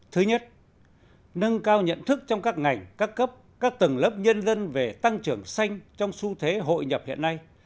thứ nhất nâng cao nhận thức trong các ngành các cấp các tầng lớp nhân dân về tăng trưởng xanh trong xu thế hội nhập hiện nay